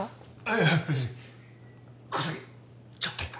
いや別に小杉ちょっといいか？